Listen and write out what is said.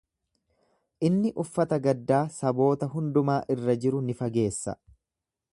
Inni uffata gaddaa saboota hundumaa irra jiru ni fageessa.